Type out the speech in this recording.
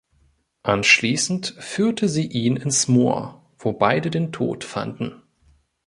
Anschließend führte sie ihn ins Moor, wo beide den Tod fanden.